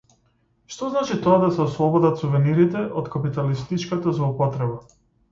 Што значи тоа да се ослободат сувенирите од капиталистичката злоупотреба?